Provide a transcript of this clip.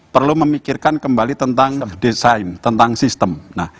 perlu memikirkan kembali tentang desain tentang sistem